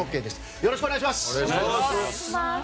よろしくお願いします！